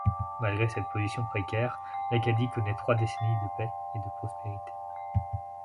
Malgré cette position précaire, l'Acadie connait trois décennies de paix et de prospérité.